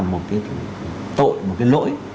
một cái tội một cái lỗi